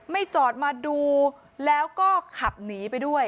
จอดมาดูแล้วก็ขับหนีไปด้วย